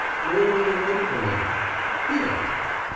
"Where will you wait for me?" "Here."